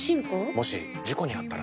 もし事故にあったら？